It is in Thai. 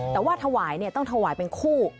แต่ว่าถวายต้องถวายเป็นคู่